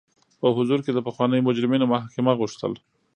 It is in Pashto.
په حضور کې د پخوانیو مجرمینو محاکمه غوښتل.